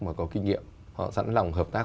mà có kinh nghiệm họ sẵn lòng hợp tác